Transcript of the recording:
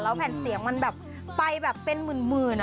แล้วแผนเสียงมันไปแบบเป็นหมื่นอ่ะ